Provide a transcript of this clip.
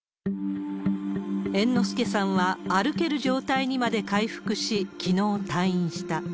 猿之助さんは、歩ける状態にまで回復し、きのう退院した。